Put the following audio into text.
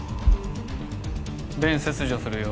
弁切除するよ